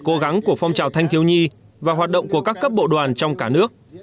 cố gắng của phong trào thanh thiếu nhi và hoạt động của các cấp bộ đoàn trong cả nước